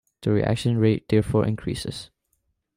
The reaction rate therefore increases.